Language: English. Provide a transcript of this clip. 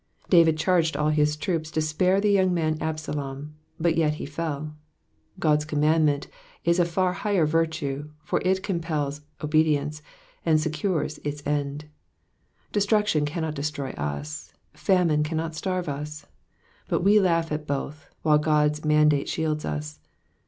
David charged all his troops to spare the young man Absalom, but yet he fell. God's commandment is of far higher virtue, for it compels obedi ence, and secures its end. Destruction cannot destroy us, famine cannot starve us ; but we laugh at both, while God's mandate shields us.